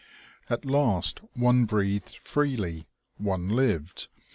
At last one breathed freely, one lived.